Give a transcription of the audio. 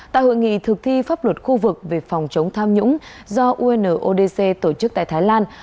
tại hội nghị thực thi pháp luật khu vực về phòng chống tham nhũng do unodc tổ chức tại thái lan